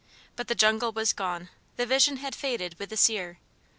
But the jungle was gone; the vision had faded with the seer.